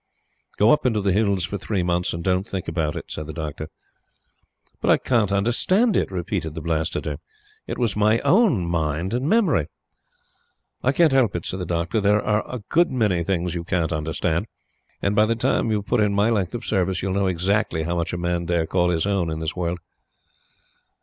"Go up into the Hills for three months, and don't think about it," said the Doctor. "But I can't understand it," repeated the Blastoderm. "It was my OWN mind and memory." "I can't help it," said the Doctor; "there are a good many things you can't understand; and, by the time you have put in my length of service, you'll know exactly how much a man dare call his own in this world."